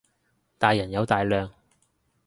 大人有大量